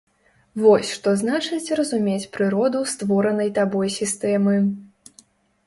Вось што значыць разумець прыроду створанай табой сістэмы!